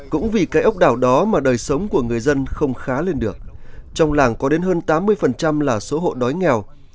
cũng vì cái ốc đảo đó mà đời sống của người dân không khá lên được trong làng có đến hơn tám mươi là số hộ đói nghèo